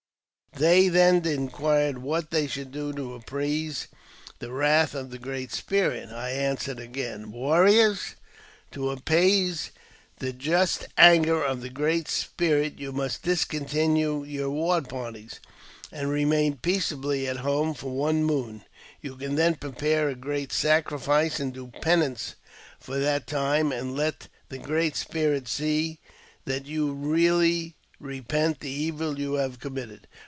They then inquired what they should do to appease the wrath of the Great Spirit. I answered again :" Warriors ! to appease the just anger of the Great Spirit, you must dis continue your war parties, and remain peaceably at home for 238 AUTOBIOGRAPHY OF one moon. You can then prepare a great sacrifice, and do penance for that time, and let the Great Spirit see that you really repent the evil you have committed.